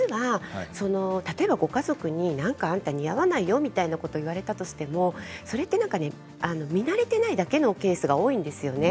例えば、ご家族になんかあなた似合わないよって言われたとしてもそれは見慣れていないだけのケースが多いんです。